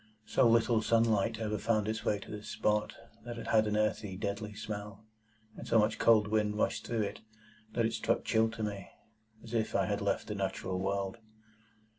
So little sunlight ever found its way to this spot, that it had an earthy, deadly smell; and so much cold wind rushed through it, that it struck chill to me, as if I had left the natural world.